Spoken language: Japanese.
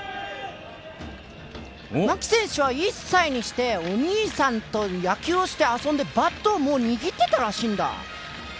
牧選手は１歳にしてお兄さんと野球をして遊んでバットをもう握っていたらしいんだ。